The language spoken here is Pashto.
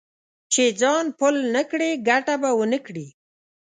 چې ځان پل نه کړې؛ ګټه به و نه کړې.